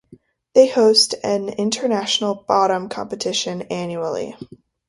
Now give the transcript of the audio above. They host an international "bottom" competition annually.